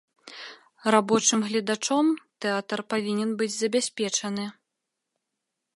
Рабочым гледачом тэатр павінен быць забяспечаны.